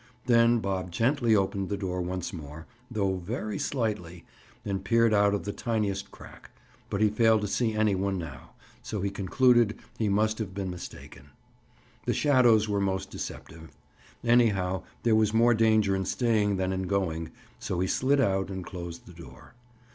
Then Bob gently opened the door once more, though very slightly, and peered out of the tiniest crack, but he failed to see any one now, so concluded he must have been mistaken. The shadows were most deceptive. Anyhow, there was more danger in staying than in going, so he slid out and closed the door.